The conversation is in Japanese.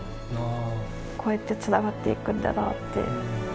こうやってつながっていくんだなって。